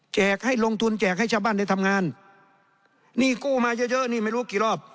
ให้ลงทุนแจกให้ชาวบ้านได้ทำงานหนี้กู้มาเยอะเยอะนี่ไม่รู้กี่รอบ